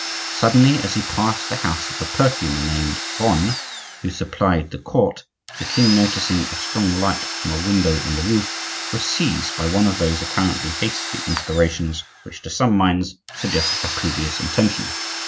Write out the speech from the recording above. Suddenly, as he passed the house of a perfumer named Rene, who supplied the court, the king, noticing a strong light from a window in the roof, was seized by one of those apparently hasty inspirations which, to some minds, suggest a previous intention.